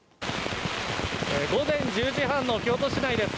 午前１０時半の京都市内です。